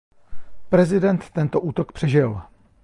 Prezident tento útok přežil.